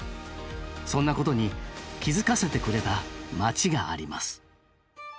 そんなことに気付かせてくれた町があります。